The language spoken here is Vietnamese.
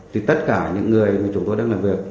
thì tất cả những người mà chúng tôi đang làm việc